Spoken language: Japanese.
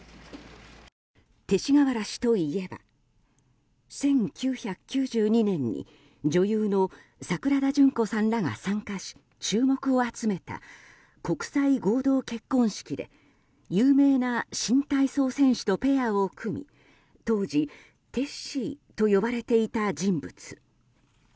勅使河原氏といえば１９９２年に女優の桜田淳子さんらが参加し注目を集めた国際合同結婚式で有名な新体操選手とペアを組み当時、テッシーと呼ばれていた人物。